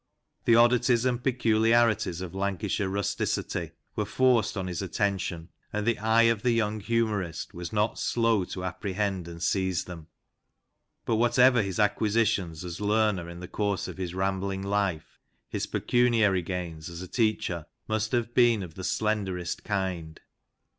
The oddities and peculiarities of Lancashire rusticity were forced on his atten tion, and the eye of the young humourist was not slow to apprehend and seize them. But whatever his acquisitions as learner in the course of his rambling life, his pecuniary gains as a teacher must have been of the slenderest kind.